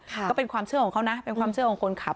ก็เป็นความเชื่อของเขานะเป็นความเชื่อของคนขับ